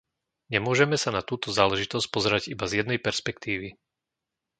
Nemôžeme sa na túto záležitosť pozerať iba z jednej perspektívy.